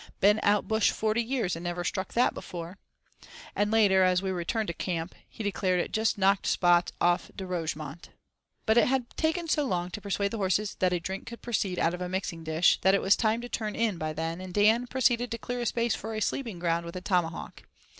"Been out bush forty years and never struck that before"; and later, as we returned to camp, he declared it "just knocked spots off De Rougemont." But it had taken so long to persuade the horses that a drink could proceed out of a mixing dish, that it was time to turn in by then; and Dan proceeded to clear a space for a sleeping ground with a tomahawk.